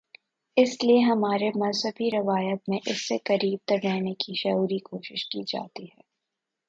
اس لیے ہماری مذہبی روایت میں اس سے قریب تر رہنے کی شعوری کوشش کی جاتی ہے۔